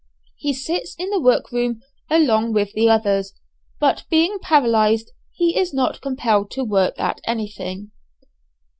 He sits in the workroom along with the others, but being paralyzed he is not compelled to work at anything.